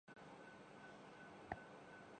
vitamin D کی کمی